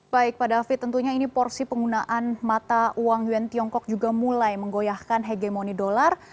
baik pak david tentunya ini porsi penggunaan mata uang yuan tiongkok juga mulai menggoyahkan hegemoni dolar